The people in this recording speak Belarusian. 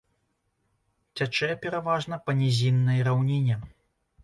Цячэ пераважна па нізіннай раўніне.